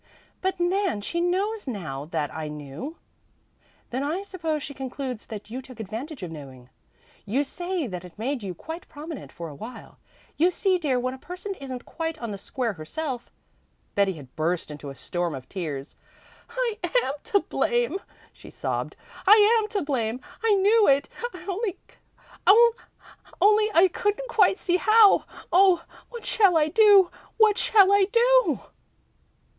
"But Nan, she knows now that I knew." "Then I suppose she concludes that you took advantage of knowing. You say that it made you quite prominent for a while. You see, dear, when a person isn't quite on the square herself " But Betty had burst into a storm of tears. "I am to blame," she sobbed. "I am to blame! I knew it, only I couldn't quite see how. Oh, what shall I do? What shall I do?"